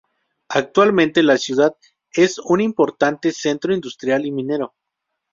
Actualmente la ciudad es un importante centro industrial y minero.